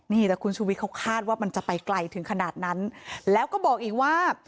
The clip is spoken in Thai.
นี่แต่คุณชุวิตเขาคาดว่ามันจะไปไกลถึงขนาดนั้นแล้วก็บอกอีกว่า